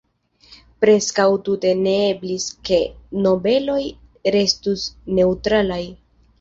Preskaŭ tute ne eblis ke nobeloj restus neŭtralaj.